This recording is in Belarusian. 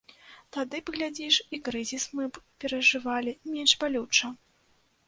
Тады б, глядзіш, і крызіс мы б перажывалі менш балюча.